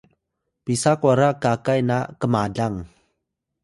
pisa kwara kakay na kmalang?